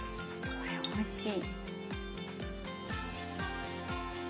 これおいしい。